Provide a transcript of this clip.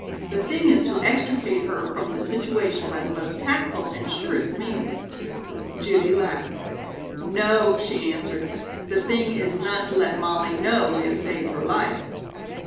The thing is to extricate her from the situation by the most tactful and surest means." Judy laughed. "No," she answered, "the thing is not to let Molly know we have saved her life."